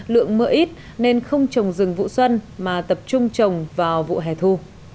lượng mưa ít nên không trồng rừng vụ xuân mà tập trung trồng vào vụ hẻ thu